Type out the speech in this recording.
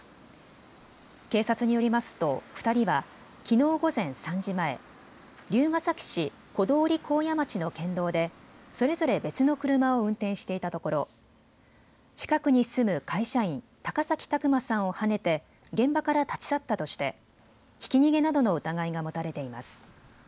警察によりますと２人はきのう午前３時前、龍ケ崎市小通幸谷町の県道でそれぞれ別の車を運転していたところ近くに住む会社員、高崎拓磨さんをはねて現場から立ち去ったとしてひき逃げなどの疑いが持たれています。